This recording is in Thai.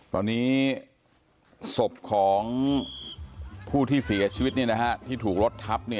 ตอนนี้ศพของผู้ที่เสียชีวิตที่ถูกรถทับ